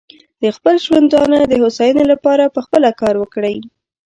د خپل ژوندانه د هوساینې لپاره پخپله کار وکړي.